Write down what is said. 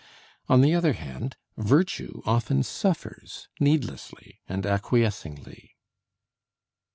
On the other hand, virtue often suffers needlessly and acquiescingly.